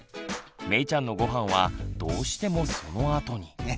めいちゃんのごはんはどうしてもそのあとに。